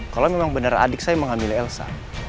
kalau memang benar adik saya mengambil elsa